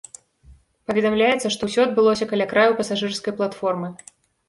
Паведамляецца, што ўсё адбылося каля краю пасажырскай платформы.